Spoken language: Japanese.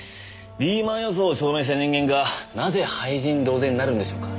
リーマン予想を証明した人間がなぜ廃人同然になるんでしょうか？